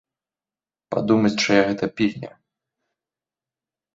Падумаць, чыя гэта пільня.